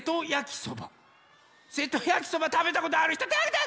せとやきそばたべたことあるひとてあげて！